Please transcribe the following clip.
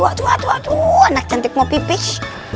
saya juga senang banyak banyak